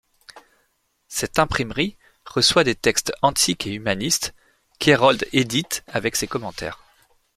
Cette imprimerie reçoit des textes antiques et humanistes qu'Herold édite avec ses commentaires.